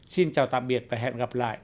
xin chào tạm biệt và hẹn gặp lại